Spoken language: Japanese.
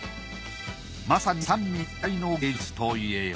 まさに三位一体の芸術といえよう。